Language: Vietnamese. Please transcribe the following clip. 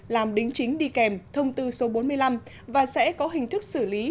làm đính chính đi kèm thông tư số bốn mươi năm và sẽ có hình thức xử lý